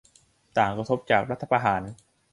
ต่างกระทบจากรัฐประหาร